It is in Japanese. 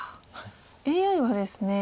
ＡＩはですね